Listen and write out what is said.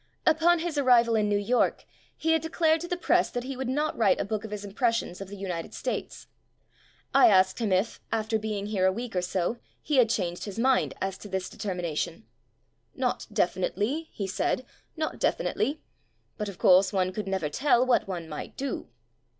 Upon his arrival in New York he had declared to the press that he would not write a book of his impressions of the United States. I asked him if, after being here a week or so, he had changed his mind as to this determination. "Not definitely," he said, "not definitely. But, of course, one could never tell what one might do."